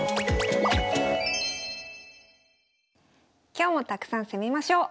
今日もたくさん攻めましょう。